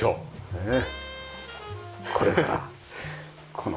ねえ。